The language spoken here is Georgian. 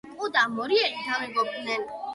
ერთი კუ და მორიელი დამეგობრდნენ